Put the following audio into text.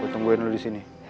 gua tungguin lo disini